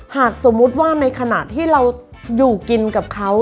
หากสมมุติว่าในขณะที่เราอยู่กินกับเขา